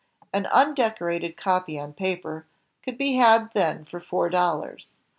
An undecorated copy on paper could be had then for four dollars.